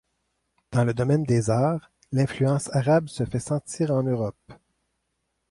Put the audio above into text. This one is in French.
Dans le domaine des arts, l'influence arabe se fait sentir en Europe.